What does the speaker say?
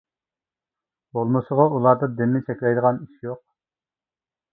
بولمىسىغۇ ئۇلاردا دىننى چەكلەيدىغان ئىش يوق.